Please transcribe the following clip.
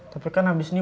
yah tapi kan abis ini